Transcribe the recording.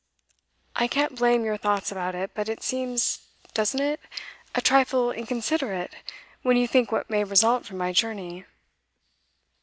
I can't blame your thoughts about it; but it seems doesn't it? a trifle inconsiderate, when you think what may result from my journey.